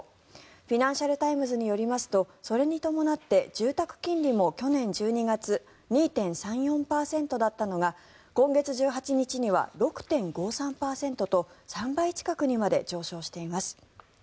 フィナンシャル・タイムズによりますとそれに伴って、住宅金利も去年１２月２．３４％だったのが今月１８日には６．５３％と３倍近くにまで上昇しています。